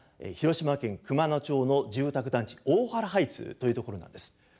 広島県熊野町の住宅団地大原ハイツというところなんです。